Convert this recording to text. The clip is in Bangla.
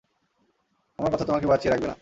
আমার কথা তোমাকে বাঁচিয়ে রাখবে না।